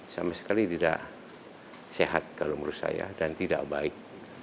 sama sekali tidak sehat kalau menurut saya dan tidak baik